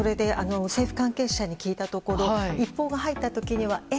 政府関係者に聞いたところ一報が入った時にはえ？